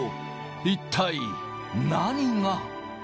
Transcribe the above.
一体何が。